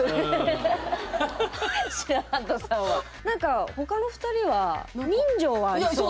何か他の２人は人情はありそう。